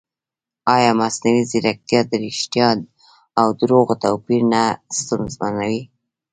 ایا مصنوعي ځیرکتیا د ریښتیا او دروغو توپیر نه ستونزمنوي؟